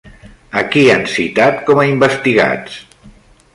A qui han citat com a investigats?